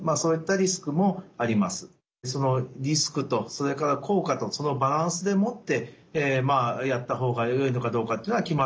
そのリスクとそれから効果とそのバランスでもってやった方がよいのかどうかっていうのは決まってきます。